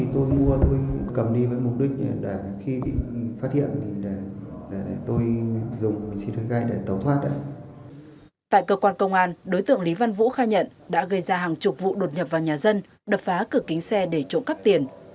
tại cơ quan công an đối tượng lý văn vũ khai nhận đã gây ra hàng chục vụ đột nhập vào nhà dân đập phá cửa kính xe để trộm cắp tiền